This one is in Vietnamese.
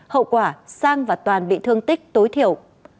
hậu quả sang và toàn bị thương tích tối thiểu